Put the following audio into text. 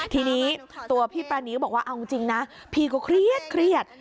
ทีนี้ตัวพี่ปรานีก็บอกว่าเอาจริงนะพี่ก็เครียด